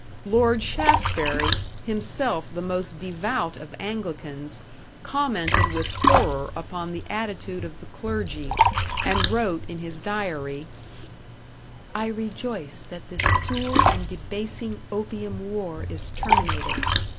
Lord Shaftesbury, himself the most devout of Anglicans, commented with horror upon the attitude of the clergy, and wrote in his diary: I rejoice that this cruel and debasing opium war is terminated.